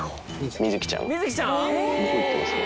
みづきちゃん、向こう行ってますね。